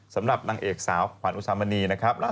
สำหรับนางเอกสาวขวัญอุสามณีนะครับ